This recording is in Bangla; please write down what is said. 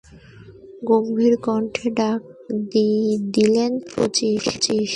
গম্ভীর কণ্ঠে ডাক দিলেন, শচীশ!